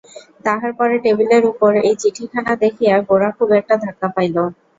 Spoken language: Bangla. তাহার পরে টেবিলের উপর এই চিঠিখানা দেখিয়া গোরা খুব একটা ধাক্কা পাইল।